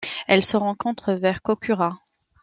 Elle se rencontre vers Kokura.